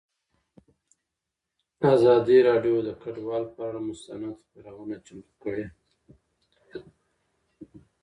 ازادي راډیو د کډوال پر اړه مستند خپرونه چمتو کړې.